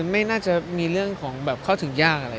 ไม่น่าจะมีเรื่องของแบบเข้าถึงยากอะไร